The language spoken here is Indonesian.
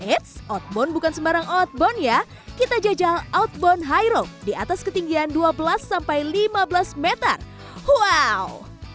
eits outbound bukan sembarang outbound ya kita jajal outbound high roll di atas ketinggian dua belas sampai lima belas meter wow